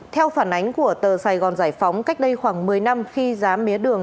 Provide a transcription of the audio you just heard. theo phản ánh của tờ sài gòn giải phóng cách đây khoảng một mươi năm khi giá mía đường